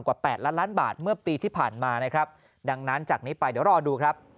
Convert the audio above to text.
แปดล้านล้านบาทเมื่อปีที่ผ่านมานะครับดังนั้นจากนี้ไปเดี๋ยวรอดูครับ